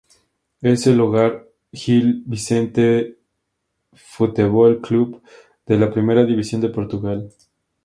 Es el hogar Gil Vicente Futebol Clube de la Primera División de Portugal.